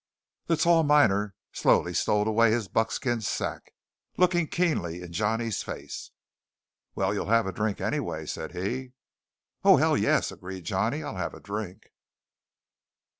The tall miner slowly stowed away his buckskin sack, looking keenly in Johnny's face. "Well, you'll have a drink, anyway," said he. "Oh, hell, yes!" agreed Johnny, "I'll have a drink!"